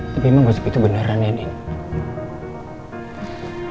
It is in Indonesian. tapi emang gosip itu beneran ya nien